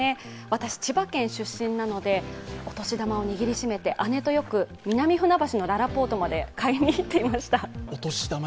私、千葉県出身なのでお年玉を握りしめて姉とよく南船橋のららぽーとまで買いにいっていました。